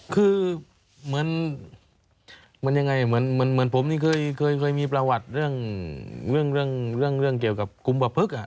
คือเหมือนมันยังไงเหมือนผมนี่เคยมีประวัติเรื่องเกี่ยวกับกุมประพฤกษ์